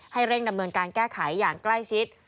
เร่งดำเนินการแก้ไขอย่างใกล้ชิด